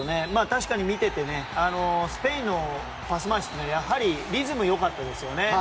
確かに見ていてスペインのパス回しはリズムがよかったですよね。